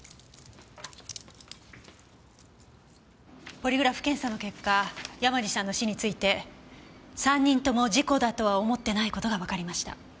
ポリグラフ検査の結果山路さんの死について３人とも事故だとは思ってない事がわかりました。